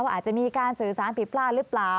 อาจจะมีการสื่อสารผิดพลาดหรือเปล่า